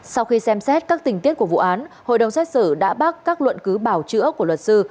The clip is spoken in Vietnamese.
sau khi xem xét các tình tiết của vụ án hội đồng xét xử đã bác các luận cứ bảo chữa của luật sư